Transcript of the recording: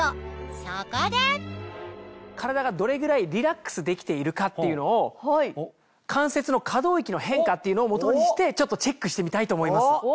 そこで体がどれぐらいリラックスできているかっていうのを関節の可動域の変化っていうのを基にしてちょっとチェックしてみたいと思います。